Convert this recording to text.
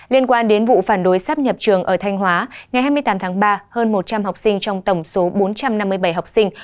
liên quan đến vụ phản đối sắp nhập trường ở thanh hóa ngày hai mươi tám tháng ba hơn một trăm linh học sinh trong tổng số bốn trăm năm mươi bảy học sinh